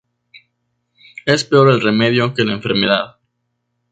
Es peor el remedio que la enfermedad